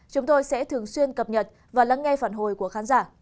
chúng tôi sẽ thường xuyên cập nhật và lắng nghe phản hồi của khán giả